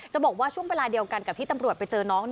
บอกว่าช่วงเวลาเดียวกันกับที่ตำรวจไปเจอน้อง